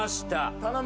頼む。